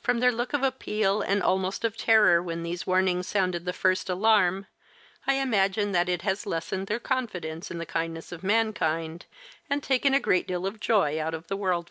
From their look of appeal and almost of terror when these warnings sounded the first alarm, I imagine that it has lessened their confidence in the kindness of mankind and taken a great deal of joy out of the world for them.